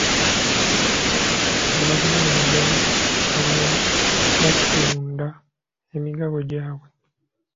Abaalina emigabo abalala baatunda emigabo gyabwe.